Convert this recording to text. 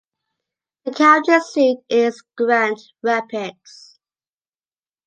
The county seat is Grand Rapids.